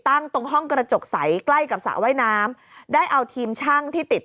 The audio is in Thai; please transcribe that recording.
ตรงห้องกระจกใสใกล้กับสระว่ายน้ำได้เอาทีมช่างที่ติด